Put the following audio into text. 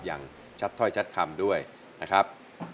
อย่างชัดถ้อยชัดคำด้วยนะครับ